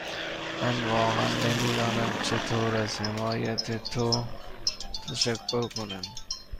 من واقعا نمی دانم چطور از حمایت تو تشکر کنم.